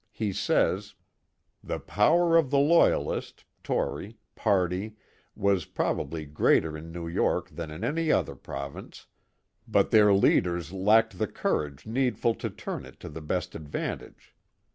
He says: The power of the Loyalist (Tory) party was probably greater in New York than in any other province, but their leaders lacked the courage needful to turn it to the best advantage.